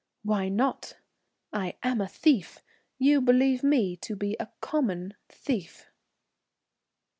"Why not? I am a thief; you believe me to be a common thief."